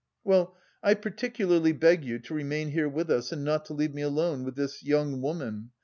"Well, I particularly beg you to remain here with us and not to leave me alone with this... young woman.